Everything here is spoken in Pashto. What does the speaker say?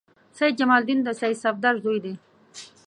سید جمال الدین د سید صفدر زوی دی.